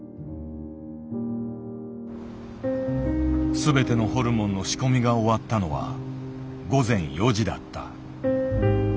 全てのホルモンの仕込みが終わったのは午前４時だった。